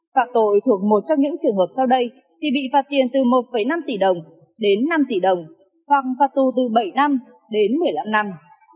phạm tội thuộc một trong những trường hợp sau đây thì bị phạt tiền từ một năm tỷ đồng đến năm tỷ đồng hoặc phạt tù từ bảy năm đến một mươi năm năm